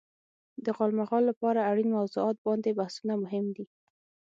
د غالمغال لپاره اړين موضوعات باندې بحثونه مهم دي.